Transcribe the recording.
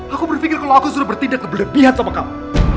aku berpikir kalau aku sudah bertindak keberlebihan sama kamu